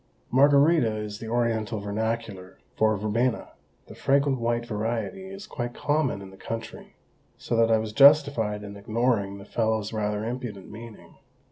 Margarita is the Oriental vernacular for verbena; the fragrant white variety is quite common in the country; so that I was justified in ignoring the fellow's rather impudent meaning.